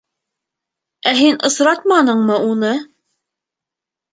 — Ә һин осратманыңмы уны?